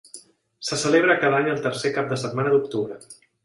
Se celebra cada any el tercer cap de setmana d'octubre.